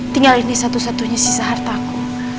tinggal ini satu satunya sisa hartaku